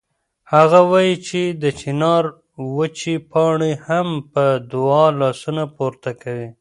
هغه وایي چې د چنار وچې پاڼې هم په دعا لاسونه پورته کوي.